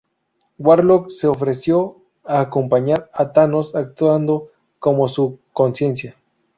Warlock se ofreció a acompañar a Thanos actuando como su "conciencia".